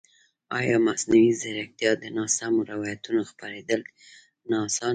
ایا مصنوعي ځیرکتیا د ناسمو روایتونو خپرېدل نه اسانه کوي؟